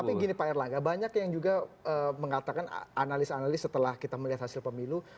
tapi gini pak erlangga banyak yang juga mengatakan analis analis setelah kita melihat hasil pemilu